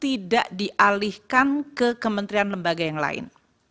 tidak dialihkan ke kementerian lembaga yang lain